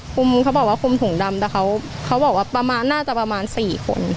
คุมเขาบอกว่าคุมถุงดำแต่เขาบอกว่าน่าจะประมาณ๔คน